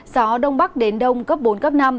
gió đông bắc đến đông cấp bốn năm